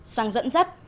sang dẫn dắt